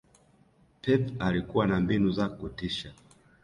Pep alikua na mbinu za kutisha